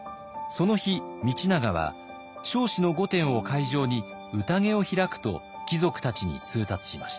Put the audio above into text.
その日道長は彰子の御殿を会場に宴を開くと貴族たちに通達しました。